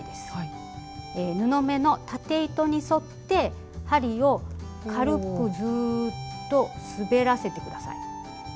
布目の縦糸に沿って針を軽くずーっと滑らせてください。